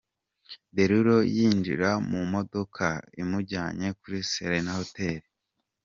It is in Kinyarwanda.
Derulo yinjira mu modoka imujyanye kuri Serena Hotel.